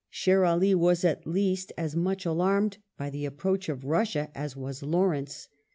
Sher Ali was at least as much alarmed by the approach of Russia as was Lawrence.